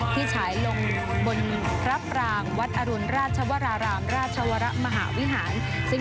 ฉายลงบนพระปรางวัดอรุณราชวรารามราชวรมหาวิหาร